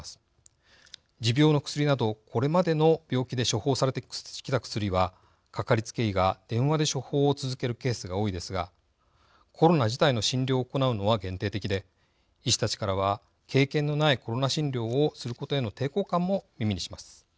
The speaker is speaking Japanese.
持病の薬などこれまでの病気で処方されてきた薬はかかりつけ医が電話で処方を続けるケースが多いですがコロナ自体の診療を行うのは限定的で医師たちからは経験のないコロナ診療をすることへの抵抗感も耳にします。